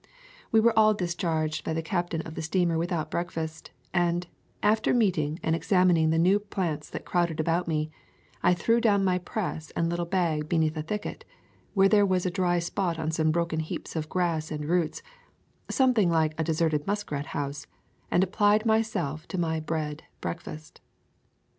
We were all discharged by the captain of the steamer without breakfast, and, after meeting and examining the new plants that crowded about me, I threw down my press and little bag beneath a thicket, where there was a dry spot on some broken heaps of grass and roots, something like a deserted muskrat house, and applied myself to my bread breakfast.